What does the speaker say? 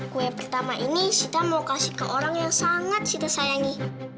kue pertama ini kita mau kasih ke orang yang sangat kita sayangi